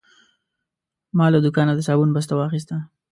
ما له دوکانه د صابون بسته واخیسته.